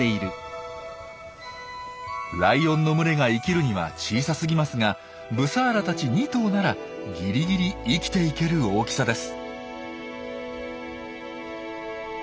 ライオンの群れが生きるには小さすぎますがブサーラたち２頭ならギリギリ生きていける大きさです。